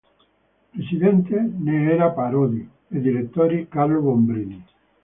Presidente ne era Parodi e direttore Carlo Bombrini.